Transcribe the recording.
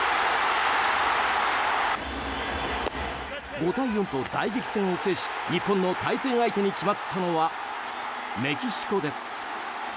５対４と大激戦を制し日本の対戦相手に決まったのはメキシコです。